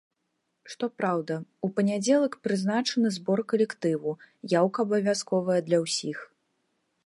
Што праўда, у панядзелак прызначаны збор калектыву, яўка абавязковая для ўсіх.